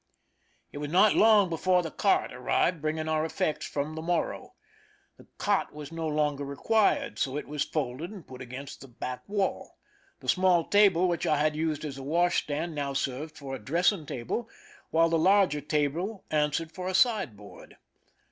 It was not long before the cart arrived bringing our effects from the Morro. The cot was no longer required, so it was folded and put against the back wall. The small table which I had used as a wash stand now served for a dressing table, while the larger table answered for a sideboard.